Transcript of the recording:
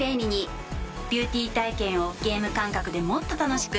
ビューティー体験をゲーム感覚でもっと楽しく。